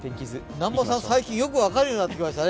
南波さん、最近よく分かるようになってきましたね。